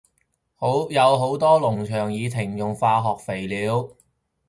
有好多農場已停用化學肥料